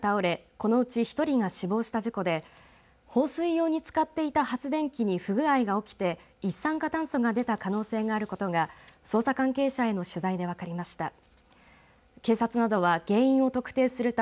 このうち１人が死亡した事故で放水用に使っていた発電機に不具合が起きて一酸化炭素が出た可能性があることが捜査関係者への取材で分かりました。